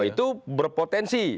oh itu berpotensi